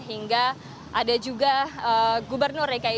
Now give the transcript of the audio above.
hingga ada juga gubernur jokowi